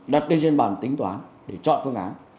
đặt lên trên bản tính toán để chọn phương án